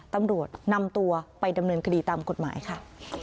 ตำรวจนำตัวไปดำเนินคดีตามกฎหมายค่ะ